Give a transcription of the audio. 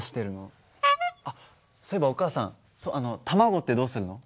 あっそういえばお母さん卵ってどうするの？